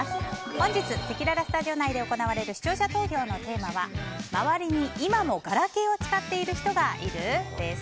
本日せきららスタジオ内で行われる視聴者投票のテーマは周りに今もガラケーを使っている人がいる？です。